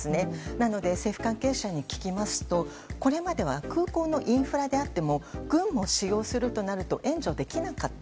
なので、政府関係者に聞きますとこれまでは空港のインフラであっても軍も使用するとなると援助できなかった。